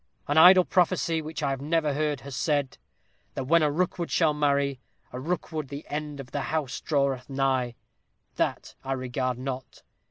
An idle prophecy which I have heard has said "that when a Rookwood shall marry a Rookwood the end of the house draweth nigh." That I regard not.